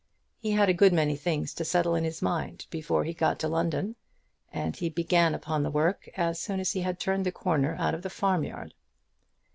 He had a good many things to settle in his mind before he got to London, and he began upon the work as soon as he had turned the corner out of the farm yard.